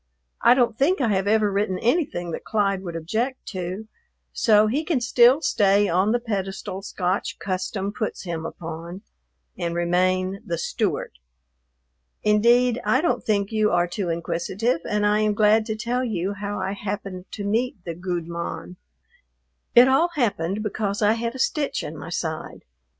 I don't think I have ever written anything that Clyde would object to, so he can still stay on the pedestal Scotch custom puts him upon and remain "the Stewart." Indeed, I don't think you are too inquisitive, and I am glad to tell you how I happened to meet the "gude mon." It all happened because I had a stitch in my side.